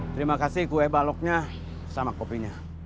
terima kasih kue baloknya sama kopinya